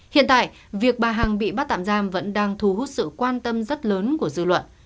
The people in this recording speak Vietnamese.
hiện tại việc bà hằng bị bắt tạm giam vẫn đang thu hút sự quan tâm rất lớn của dư luận